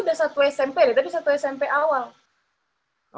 udah satu smp deh tapi satu smp awal